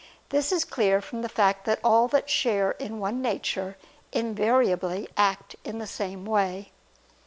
This is clear from the fact that all that share in one nature, invariably act in the same way.